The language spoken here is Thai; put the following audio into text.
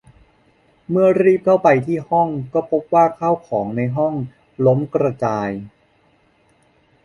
เมื่อรีบเข้าไปที่ห้องก็พบว่าข้าวของในห้องล้มกระจาย